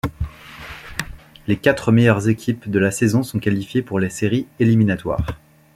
Les quatre meilleures équipes de la saison sont qualifiées pour les séries éliminatoires.